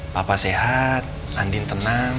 papa sehat andin tenang